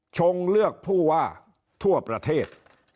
ชงเลือกผู้ว่าทั่วประเทศ